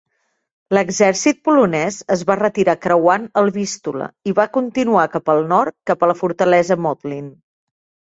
L'exèrcit polonès es va retirar creuant el Vístula, i va continuar cap al nord cap a la fortalesa Modlin.